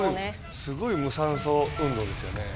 すごい無酸素運動ですよね。